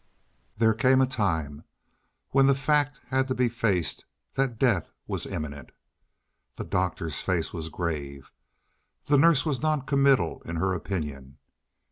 There came a time when the fact had to be faced that death was imminent. The doctor's face was grave, the nurse was non committal in her opinion.